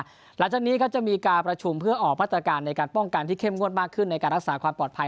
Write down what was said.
หลังจากนี้ก็จะมีการประชุมเพื่อออกมาตรการในการป้องกันที่เข้มงวดมากขึ้นในการรักษาความปลอดภัย